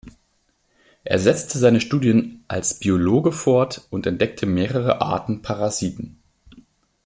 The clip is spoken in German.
Er setzte seine Studien als Biologe fort und entdeckte mehrere Arten Parasiten.